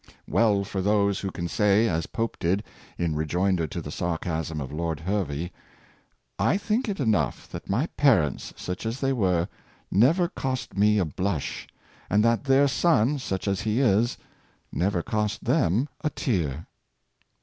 Well for Dr. Guthrie, 591 those who can say, as Pope did, in rejoinder to the sarcasm of Lord Hervey, '' I think it enough that my parents, such as they were, never cost me a blush, and that their son, such as he is, never cost them a tear.''